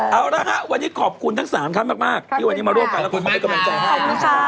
เอาล่ะค่ะวันนี้ขอบคุณทั้ง๓ครับมากที่วันนี้มาร่วมกันและขอบคุณให้กำลังใจครับ